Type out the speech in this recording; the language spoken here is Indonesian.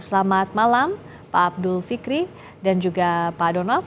selamat malam pak abdul fikri dan juga pak donov